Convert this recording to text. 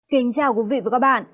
kính chào quý vị và các bạn